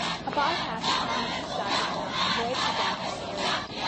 A bypass around the east side of town avoids the downtown area.